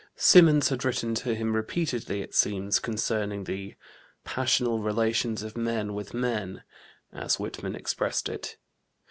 Symonds had written to him repeatedly, it seems, concerning the "passional relations of men with men," as Whitman expressed it.